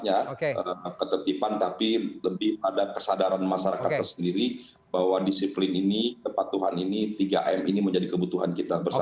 hanya ketertiban tapi lebih pada kesadaran masyarakat tersendiri bahwa disiplin ini kepatuhan ini tiga m ini menjadi kebutuhan kita bersama